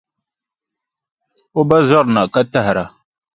O ba zɔrina ka tahira.